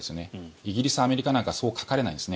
イギリス、アメリカなんかそうかかれないんですね。